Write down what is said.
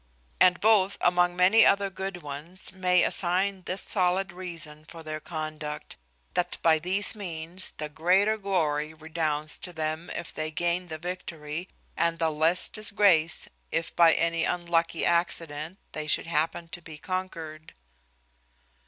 And both, among many other good ones, may assign this solid reason for their conduct, that by these means the greater glory redounds to them if they gain the victory, and the less disgrace if by any unlucky accident they should happen to be conquered.